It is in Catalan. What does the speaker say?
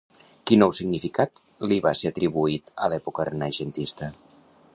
Quin nou significat li va ser atribuït a l'època renaixentista?